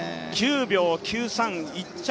９秒９３、１着